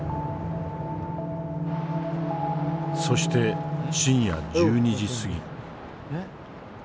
そして深夜１２時過ぎ。